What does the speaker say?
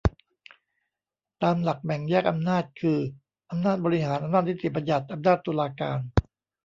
ตามหลักแบ่งแยกอำนาจคือ อำนาจบริหาร อำนาจนิติบัญญัติ อำนาจตุลาการ